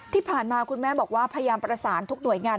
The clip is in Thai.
ที่ผ่านมาคุณแม่บอกว่าพยายามประสานทุกหน่วยงาน